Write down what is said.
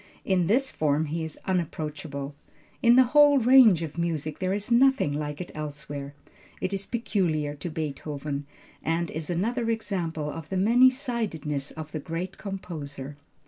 In this form he is unapproachable. In the whole range of music there is nothing like it elsewhere. It is peculiar to Beethoven, and is another example of the many sidedness of the great composer.